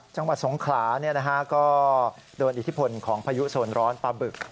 จังหวัดสงขลาก็โดนอิทธิพลของพายุโซนร้อนปลาบึก